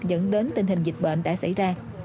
dẫn đến tình hình dịch bệnh đã xảy ra